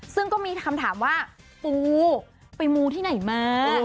ซึ่งก็มีคำถามว่าปูไปมูที่ไหนมา